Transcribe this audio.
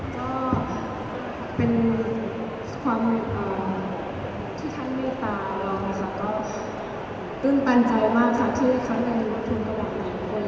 ก็เป็นความที่ท่านเนธาลองค่ะก็ตื่นปันใจมากค่ะที่เขาได้รับคุณระหว่างนี้